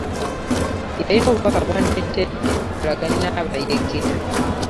Yalina obubaka bw’andeetedde nkolagane n’abayeekera.